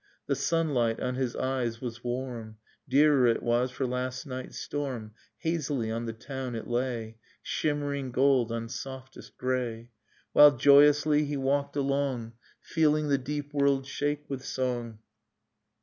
The sunlight on his eyes was warm, Dearer it was for last night's storm, Hazily on the town it lay, Shimmering gold on softest grey; While joyously he walked along Feeling the deep world shake with song.